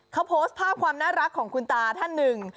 เขาโพสต์ภาพความน่ารักของคุณตาท่านหนึ่ง